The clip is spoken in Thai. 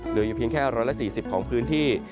เหลืออยู่เพียงแค่๑๔๐ของพื้นที่